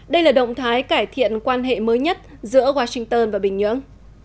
đây là động thái cải thiện quan hệ mới nhất giữa washington và bình nhưỡng